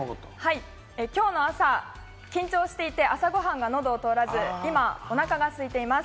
きょうの朝、緊張していて朝ご飯が喉を通らず、今になって、おなかが空いています。